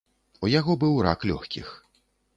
У яго быў рак лёгкіх.